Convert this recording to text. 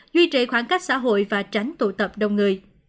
duy trì khoảng cách xã hội và tránh tụ tập đông người